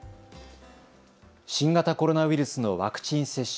新型コロナウイルスのワクチン接種。